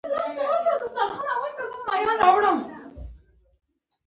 آیا تعلیم هم تر لیسې وړیا نه دی؟